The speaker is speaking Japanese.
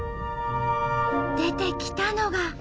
出てきたのが。